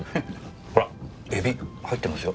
ほらエビ入ってますよ。